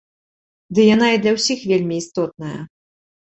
Ды яна і для ўсіх вельмі істотная.